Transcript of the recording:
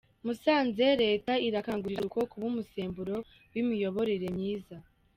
Musanze leta irakangurira urubyiruko kuba umusemburo w’imiyoborere myiza